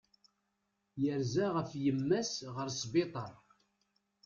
Yerza ɣef yemma-s ɣer sbiṭar.